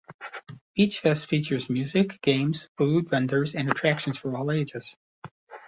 Beachfest features music, games, food vendors, and attractions for all ages.